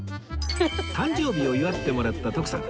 誕生日を祝ってもらった徳さん